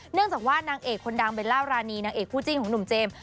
เนื่องจากว่านางเอกคนดังเบลล่ารานีนางเอกคู่จิ้นของหนุ่มเจมส์